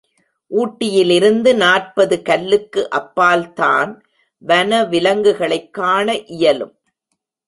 ஊட்டியிலிருந்து நாற்பது கல்லுக்கு அப்பால் தான் வனவிலங்குகளைக் காண இயலும்.